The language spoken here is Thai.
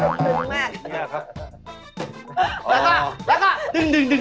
เฮ้ยอันนี้ของจีนเขาไม่ต้องช้อนก่อนยังเคยเห็น